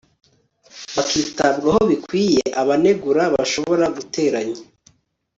bakitabwaho bikwiye, abanegura bashobora guteranya